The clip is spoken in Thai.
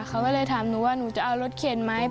เขาก็เลยถามหนูว่าหนูจะเอารถเข็นไหม